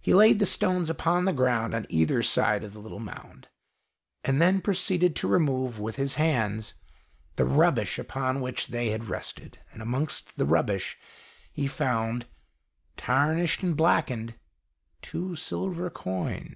He laid the stones upon the ground on either side of the little mound, and then proceeded to remove, with his hands, the rubbish upon which they had rested, and amongst the rubbish he found, tarnished and blackened, two silver coins.